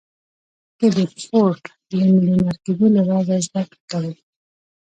که د فورډ د ميليونر کېدو له رازه زده کړه کوئ.